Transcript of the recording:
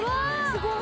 すごい！」